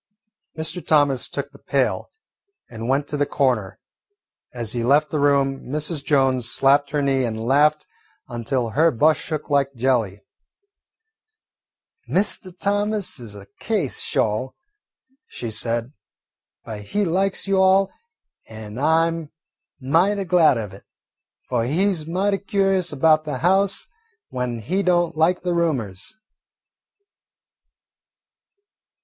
Mr. Thomas took the pail and went to the corner. As he left the room, Mrs. Jones slapped her knee and laughed until her bust shook like jelly. "Mr. Thomas is a case, sho'," she said; "but he likes you all, an' I 'm mighty glad of it, fu' he 's mighty curious about the house when he don't like the roomers."